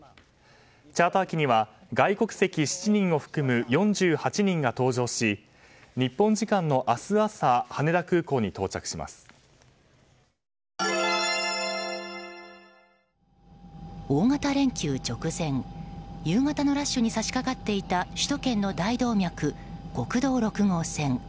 チャーター機には外国籍７人を含む４８人が搭乗し日本時間の明日朝大型連休直前夕方のラッシュに差し掛かっていた首都圏の大動脈国道６号線。